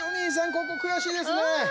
ここ悔しいですね。